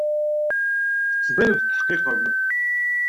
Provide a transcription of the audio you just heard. Tettbanem tetḥeqqeqem.